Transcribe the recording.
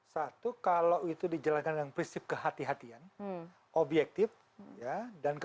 satu kalau itu dijalankan dengan prinsip kehatian objektif